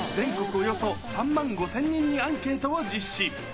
およそ３万５０００人にアンケートを実施。